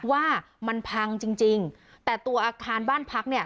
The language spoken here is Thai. ว่ามันพังจริงแต่ตัวสถานบ้านพักตร์เนี่ย